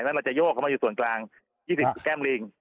แล้วเราจะโยกเข้ามาอยู่ส่วนกลาง๒๐แก้มลิง